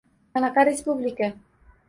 — Qanaqa respublika?